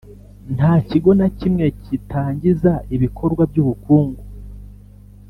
Nta kigo na kimwe gitangiza ibikorwa by ubukungu